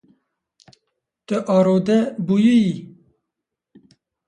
Tu arode bûyîyî.